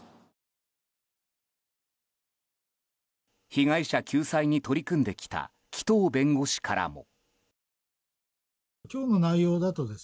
被害者救済に取り組んできた紀藤弁護士からも。